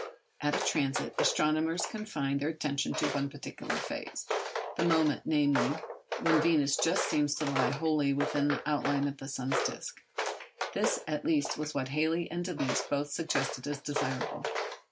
At a transit, astronomers confine their attention to one particular phase—the moment, namely, when Venus just seems to lie wholly within the outline of the sun's disc. This at least was what Halley and Delisle both suggested as desirable.